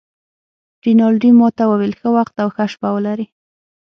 رینالډي ما ته وویل: ښه وخت او ښه شپه ولرې.